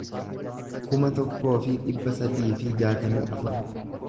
kuma tokkoo fi dhibba sadii fi jaatamii afur